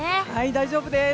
大丈夫です。